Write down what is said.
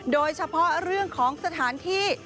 โดยเฉพาะเรื่องของสถานที่